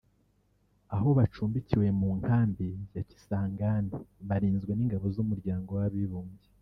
aho bacumbikiwe mu nkambi ya Kisangani barinzwe n’ingabo z’Umuryango w’Abibumbye